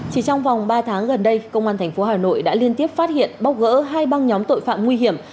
chỉ trong vòng ba tháng gần đây công an tp hà nội đã liên tiếp phát hiện bóc gỡ hai băng nhóm tội phạm nguy hiểm